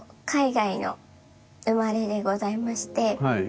はい。